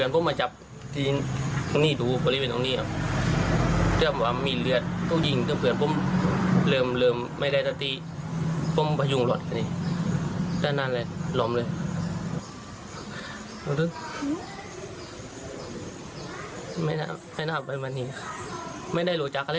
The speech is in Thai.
บางทียิงยิงล้มมา